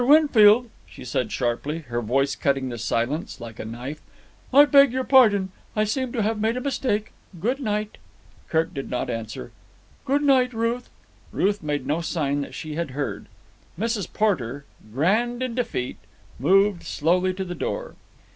Winfield," she said sharply, her voice cutting the silence like a knife, "I beg your pardon. I seem to have made a mistake. Good night." Kirk did not answer. "Good night, Ruth." Ruth made no sign that she had heard. Mrs. Porter, grand in defeat, moved slowly to the door.